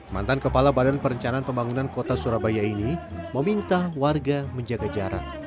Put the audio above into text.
mantan kepala badan perencanaan pembangunan kota surabaya ini meminta warga menjaga jarak